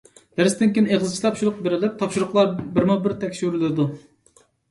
دەرستىن كېيىن ئېغىزچە تاپشۇرۇق بېرىلىپ، تاپشۇرۇقلار بىرمۇبىر تەكشۈرۈلىدۇ.